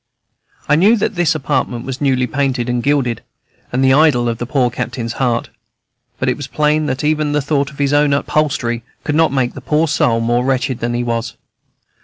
I knew that this apartment was newly painted and gilded, and the idol of the poor captain's heart; but it was plain that even the thought of his own upholstery could not make the poor soul more wretched than he was.